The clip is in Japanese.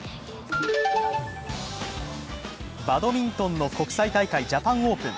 バドミントンの国際大会ジャパンオープン。